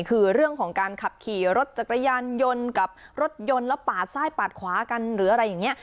คือเรื่องของการขับขี่รถจักรยานยนต์กับรถยนต์แล้วปาดซ้ายปาดขวากันหรืออะไรอย่างนี้